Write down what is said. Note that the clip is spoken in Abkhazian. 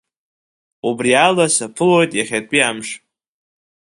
Убриала саԥылоит иахьатәи амш.